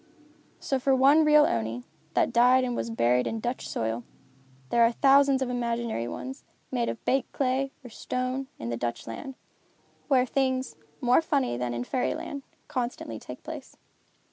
So for one real Oni, that died and was buried in Dutch soil, there are thousands of imaginary ones, made of baked clay, or stone, in the Dutch land, where things, more funny than in fairy land, constantly take place.